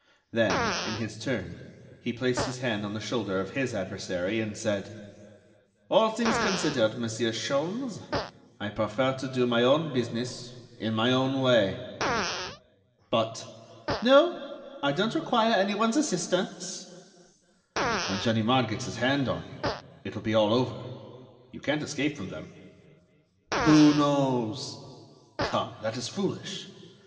Then, in his turn, he placed his hand on the shoulder of his adversary, and said: "All things considered, Monsieur Sholmes, I prefer to do my own business in my own way." "But—" "No, I don't require anyone's assistance." "When Ganimard gets his hand on you, it will be all over. You can't escape from them." "Who knows?" "Come, that is foolish.